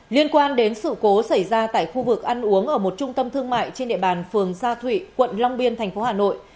liên quan đến sự cố xảy ra tại khu vực ăn uống ở một trung tâm thương mại trên địa bàn phường sa thụy quận long biên thành phố hà nội